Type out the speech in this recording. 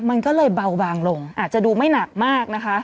มันก็เลยเบาบางลงอาจจะดูไม่หนักมากนะคะ